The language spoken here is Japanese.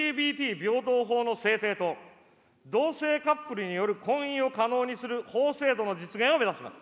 平等法の制定と、同性カップルによる婚姻を可能にする法制度の実現を目指します。